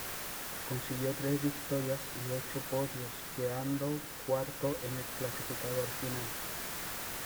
Consiguió tres victorias y ocho podios, quedando cuarto en el clasificador final.